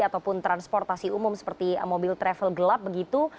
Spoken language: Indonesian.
ataupun transportasi umum seperti mobil travel gelap begitu